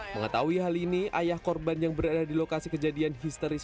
mengetahui hal ini ayah korban yang berada di lokasi kejadian histeris